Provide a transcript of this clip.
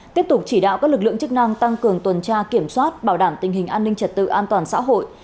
tiếp tục chỉ đạo các lực lượng chức năng tăng cường tuần tra kiểm soát bảo đảm tình hình an ninh trật tự an toàn xã hội